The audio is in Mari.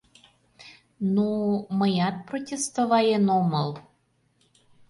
Ну... мыят протестоваен омыл...